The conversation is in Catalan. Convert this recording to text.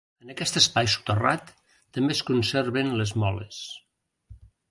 En aquest espai soterrat també es conserven les moles.